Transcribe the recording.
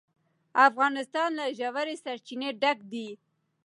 افغانستان له ژورې سرچینې ډک دی.